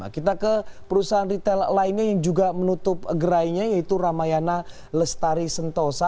kita ke perusahaan retail lainnya yang juga menutup gerainya yaitu ramayana lestari sentosa